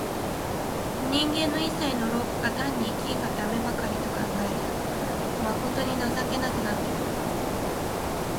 人間の一切の労苦が単に生きんがためばかりと考えると、まことに情けなくなってくる。